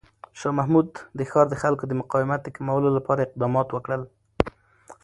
شاه محمود د ښار د خلکو د مقاومت د کمولو لپاره اقدامات وکړ.